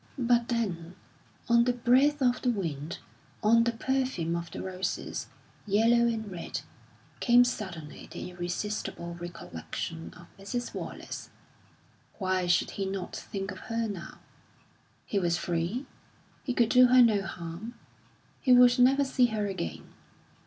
But then on the breath of the wind, on the perfume of the roses, yellow and red, came suddenly the irresistible recollection of Mrs. Wallace. Why should he not think of her now? He was free; he could do her no harm; he would never see her again.